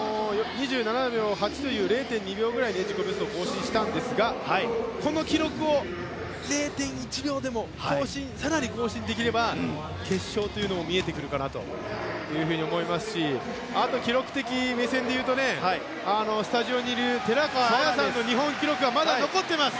２７秒８と０．２秒ぐらい自己ベストを更新したんですがこの記録を０．１秒でも更に更新できれば決勝というのも見えてくるかなと思いますしあと、記録的目線でいうとスタジオにいる寺川綾さんの日本記録がまだ残っています。